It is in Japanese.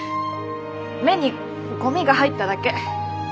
目にごみが入っただけ！